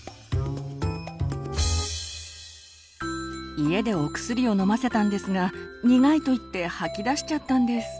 家でお薬を飲ませたんですが「苦い」と言って吐き出しちゃったんです。